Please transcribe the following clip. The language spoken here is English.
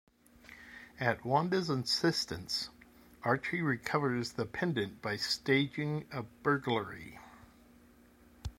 At Wanda's insistence, Archie recovers the pendant by staging a burglary.